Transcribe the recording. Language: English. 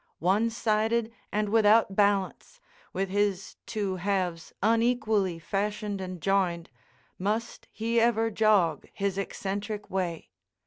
One sided and without balance, with his two halves unequally fashioned and joined, must he ever jog his eccentric way.